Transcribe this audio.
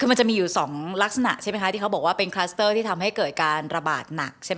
มันจะมีอยู่๒ลักษณะที่เขาบอกว่าเป็นคลัสเตอร์ที่ทำให้เกิดการระบาดหนัก